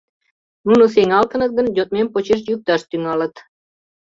Нуно сеҥалтыныт гын, йодмем почеш йӱкташ тӱҥалыт...